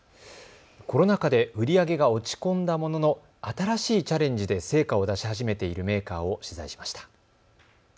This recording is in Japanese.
コロナ禍で売り上げが落ち込んだものの新しいチャレンジで成果を出し始めているメーカーを取材しました。